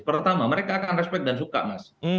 pertama mereka akan respect dan suka mas